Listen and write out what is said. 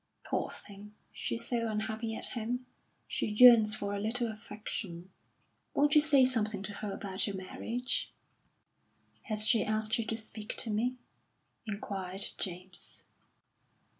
Poor thing, she's so unhappy at home; she yearns for a little affection.... Won't you say something to her about your marriage?" "Has she asked you to speak to me?" inquired James.